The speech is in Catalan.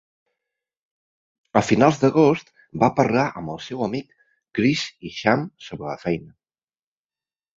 A finals d'agost, va parlar amb el seu amic Chris Isham sobre la feina.